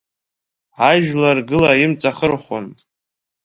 Ажәлар гыла имҵахырхәон…